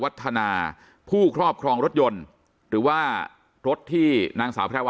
พัฒนาผู้ครอบครองรถยนต์หรือว่ารถที่นางสาวแพรวา